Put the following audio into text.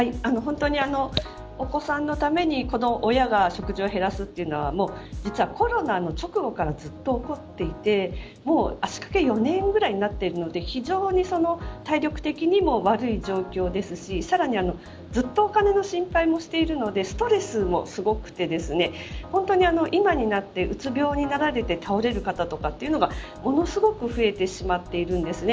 お子さんのために親が食事を減らすというのは実はコロナの直後からずっと起こっていてもう足かけ４年ぐらいになっているので非常に体力的にも悪い状況ですしさらにずっとお金の心配もしているのでストレスもすごくて本当に、今になってうつ病になられて倒れる方とかがものすごく増えてしまっているんですね。